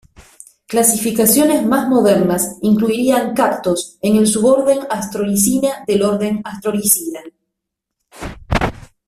Clasificaciones más modernas incluirían "Cactos" en el suborden Astrorhizina del orden Astrorhizida.